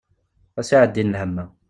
Ad as-iɛeddin lhem-a!